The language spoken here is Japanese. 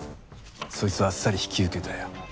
そいつはあっさり引き受けたよ。